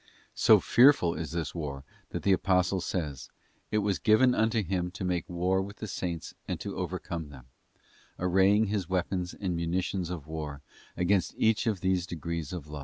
So fearful is this war that the Apostle says, 'It was given unto him to make war with the Saints and to overcome them,'§ arraying his weapons and munitions of war over against each of these degrees of love, enteus Penn * S.